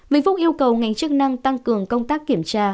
vĩnh phúc yêu cầu ngành chức năng tăng cường công tác kiểm tra